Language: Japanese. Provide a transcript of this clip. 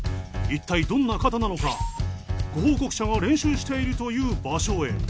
いったいどんな方なのかご報告者が練習しているという場所へ。